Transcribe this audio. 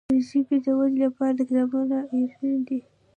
د ژبي د ودي لپاره کتابونه اړین دي.